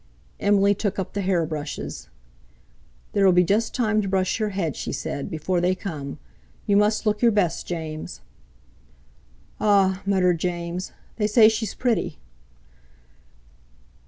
Emily took up the hair brushes. "There'll be just time to brush your head," she said, "before they come. You must look your best, James." "Ah!" muttered James; "they say she's pretty."